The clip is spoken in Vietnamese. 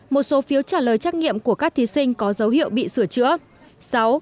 một số phiếu trả lời trắc nghiệm của các thí sinh có dấu hiệu bị sửa chữa